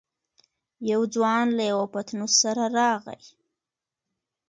يو ځوان له يوه پتنوس سره راغی.